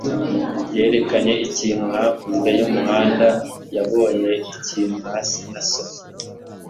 yerekanye ikintu hakurya y'umuhanda. yabonye ikintu hasi na sofa.